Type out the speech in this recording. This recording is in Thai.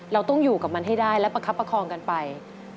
เราต้องอยู่กับมันให้ได้และประคับประคองกันไป